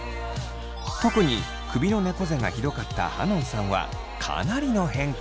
特に首のねこ背がひどかったはのんさんはかなりの変化！